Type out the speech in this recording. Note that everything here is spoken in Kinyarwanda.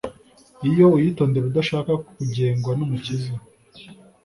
iyo uyitondera udashaka kugengwa n'Umukiza.